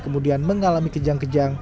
kemudian mengalami kejang kejang